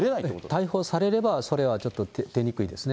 逮捕されれば、それはちょっと出にくいですね。